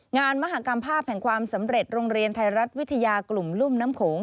งานมหากรรมภาพแห่งความสำเร็จโรงเรียนไทยรัฐวิทยากลุ่มรุ่มน้ำโขง